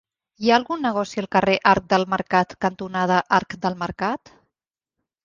Hi ha algun negoci al carrer Arc del Mercat cantonada Arc del Mercat?